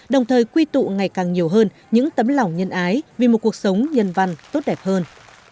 đồng thời quy tụ ngày càng nhiều hơn những tấm lòng nhân ái vì một cuộc sống nhân văn tốt đẹp hơn